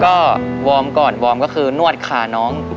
ก็วอร์มก่อนวอร์มก็คือนวดขาน้อง